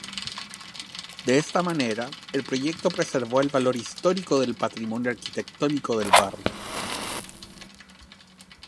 De esta manera, el proyecto preservó el valor histórico del patrimonio arquitectónico del barrio.